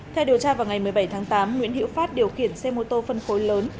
theo điều tra vào ngày một mươi bảy tháng tám nguyễn hữu phát điều khiển xe mô tô phân khối lớn